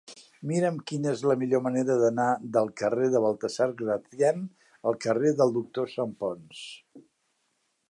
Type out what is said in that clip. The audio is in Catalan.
Mira'm quina és la millor manera d'anar del carrer de Baltasar Gracián al carrer del Doctor Santponç.